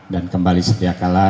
dan kembali setiap kalah